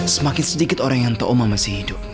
semakin sedikit orang yang tahu oma masih hidup